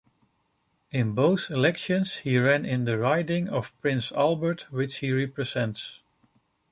In both elections, he ran in the riding of Prince Albert which he represents.